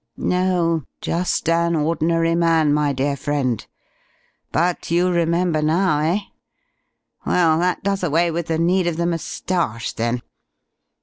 "No, just an ordinary man, my dear friend. But you remember now, eh? Well, that does away with the need of the moustache, then."